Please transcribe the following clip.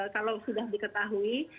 kalau sudah diketahui